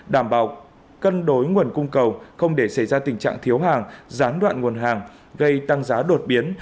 đảm bảo cân đối nguồn cung cầu không để xảy ra tình trạng thiếu hàng gián đoạn nguồn hàng gây tăng giá đột biến